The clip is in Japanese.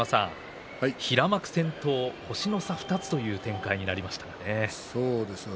平幕先頭、星の差２つという展開になりましたね。